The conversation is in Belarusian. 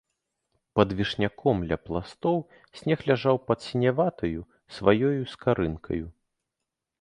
Пад вішняком ля пластоў снег ляжаў пад сіняватаю сваёю скарынкаю.